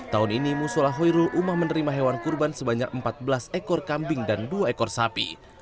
tahun ini musola hoirul umah menerima hewan kurban sebanyak empat belas ekor kambing dan dua ekor sapi